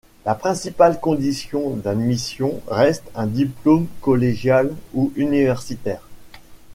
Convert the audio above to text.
La principale condition d'admission reste un diplôme collégial ou universitaire.